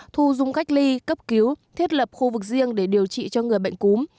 thu dung cách ly cấp cứu thiết lập khu vực riêng để điều trị cho người bệnh cúm